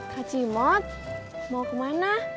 kak cimot mau kemana